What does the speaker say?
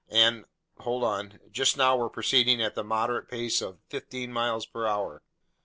And ... hold on ... just now we're proceeding at the moderate pace of fifteen miles per hour."